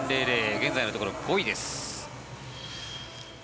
現在のところ５位です。